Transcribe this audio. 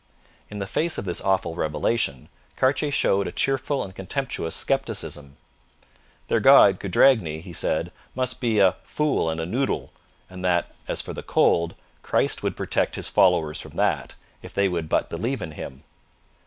In the face of this awful revelation, Cartier showed a cheerful and contemptuous scepticism. 'Their god, Cudragny,' he said, must be 'a fool and a noodle,' and that, as for the cold, Christ would protect his followers from that, if they would but believe in Him.